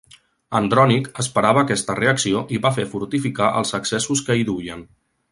Andrònic esperava aquesta reacció i va fer fortificar els accessos que hi duien.